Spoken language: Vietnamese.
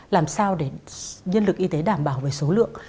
làm sao để nhân lực y tế đảm bảo về số lượng